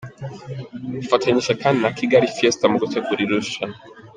Afatanyije kandi na Kigalifiesta mu gutegura iri rushanwa.